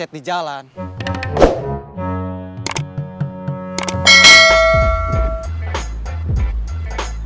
saya tidak bisa makan sayur sama buah